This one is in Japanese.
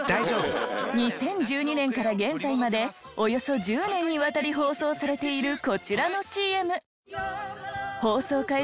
２０１２年から現在までおよそ１０年にわたり放送されているこちらのＣＭ。